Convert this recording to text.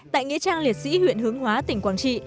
tại nghĩa trang liệt sĩ huyện hướng hóa tỉnh quảng trị